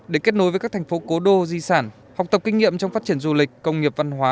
để kết nối với các thành phố cố đô di sản học tập kinh nghiệm trong phát triển du lịch công nghiệp văn hóa